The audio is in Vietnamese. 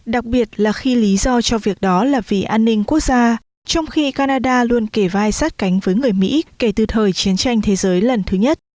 đặc biệt là khi lý do cho việc đó là vì an ninh quốc gia trong khi canada luôn kể vai sát cánh với người mỹ kể từ thời chiến tranh thế giới lần thứ nhất